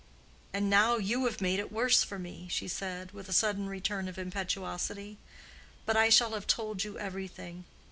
And now you have made it worse for me," she said, with a sudden return of impetuosity; "but I shall have told you everything.